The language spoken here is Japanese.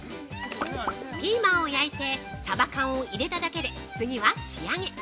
◆ピーマンを焼いてサバ缶を入れただけで次は仕上げ。